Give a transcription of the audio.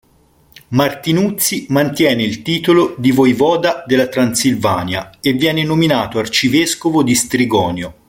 Martinuzzi mantiene il titolo di voivoda della Transilvania e viene nominato arcivescovo di Strigonio.